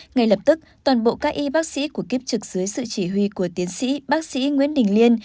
ngay lập tức toàn bộ các y bác sĩ của kiếp trực dưới sự chỉ huy của tiến sĩ bác sĩ nguyễn đình liên